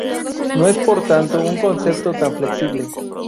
No es, por tanto, un concepto tan flexible.